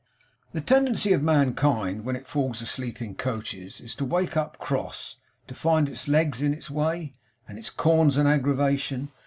The tendency of mankind when it falls asleep in coaches, is to wake up cross; to find its legs in its way; and its corns an aggravation.